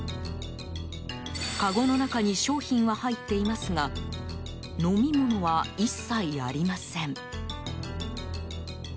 かごの中に商品は入っていますが飲み物は一切ありません。